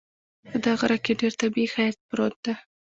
په دې غره کې ډېر طبیعي ښایست پروت ده